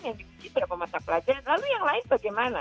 jadi berapa mata pelajaran lalu yang lain bagaimana